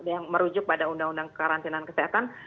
yang merujuk pada undang undang karantinaan kesehatan